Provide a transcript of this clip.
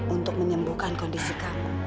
untuk menyembuhkan kondisi kamu